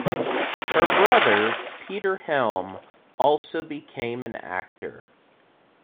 Her brother, Peter Helm, also became an actor.